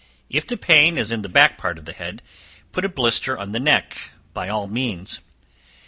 If the pain is in the back part of the head, put a blister on the neck, by all means.